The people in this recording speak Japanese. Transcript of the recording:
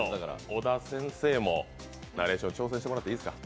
小田先生もナレーションに挑戦してもらっていいですか？